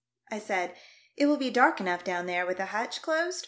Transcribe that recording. I said, "It v/ill be dark enough down there vv'ith the hatch closed